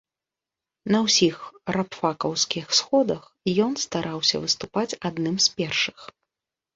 На ўсіх рабфакаўскіх сходах ён стараўся выступаць адным з першых.